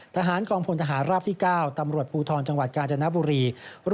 ทหารกองพลทหารราบที่๙ตำรวจภูทรจังหวัดกาญจนบุรี